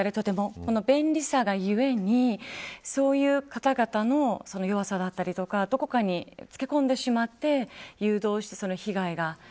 その便利さがゆえにそういう方々の弱さだったりとかどこかにつけ込んでしまって誘導して、被害が。